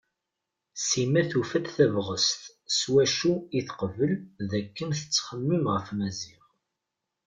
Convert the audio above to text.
Sima tufa-d tabɣest s wacu i teqbel dakken tettxemmim ɣef Maziɣ.